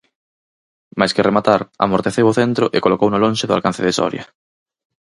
Máis que rematar, amorteceu o centro e colocouno lonxe do alcance de Soria.